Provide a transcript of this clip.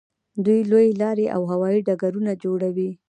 دوی لویې لارې او هوایي ډګرونه جوړوي.